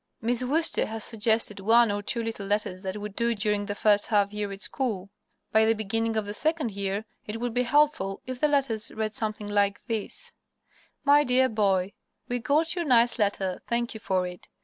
Miss Worcester has suggested one or two little letters that would do during the first half year at school. By the beginning of the second year it would be helpful if the letters read something like this: "MY DEAR BOY: "We got your nice letter. Thank you for it.